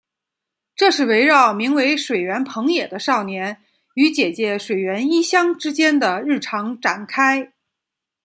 这是围绕名为水原朋也的少年与姐姐水原一香之间的日常展开。